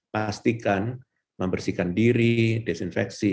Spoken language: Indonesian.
pastikan membersihkan diri desinfeksi